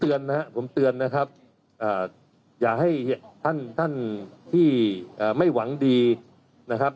ก็ไม่เป็นไรวันนี้ผมเตือนนะครับอย่าให้ท่านที่ไม่หวังดีนะครับ